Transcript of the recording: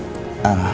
pak bagaimana pak